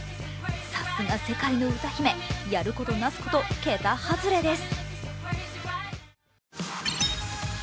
さすが世界の歌姫、やることなすこと桁外れです。